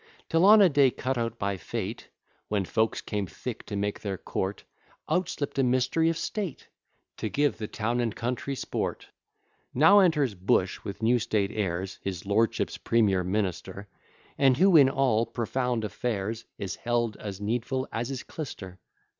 Till on a day cut out by fate, When folks came thick to make their court, Out slipt a mystery of state To give the town and country sport. Now enters Bush with new state airs, His lordship's premier minister; And who in all profound affairs, Is held as needful as his clyster.